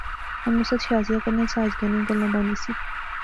ہن نصرت شازیہ کنے ساجدے نیاں گلاں بانی سی